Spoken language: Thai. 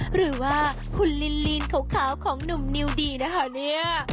หรือว่าคุณลินลีนขาวของหนุ่มนิวดีนะคะเนี่ย